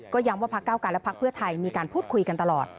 ก็ย้ำว่าพักเก้าไกลและพักเพื่อไทยมีการพูดคุยกันตลอด